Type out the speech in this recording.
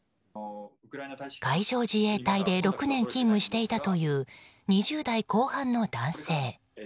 海上自衛隊で６年勤務していたという２０代後半の男性。